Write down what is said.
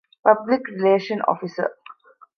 ޕަބްލިކްރިލޭޝަން އޮފިސަރ